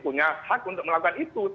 punya hak untuk melakukan itu